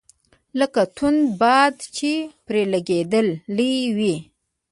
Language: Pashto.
لکه توند باد چي پر لګېدلی وي .